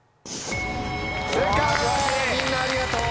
みんなありがとう。